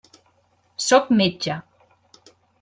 Sóc metge.